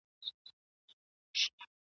د دې زوی په شکایت یمه راغلې ..